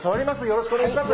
よろしくお願いします。